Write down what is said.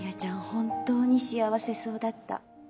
本当に幸せそうだった。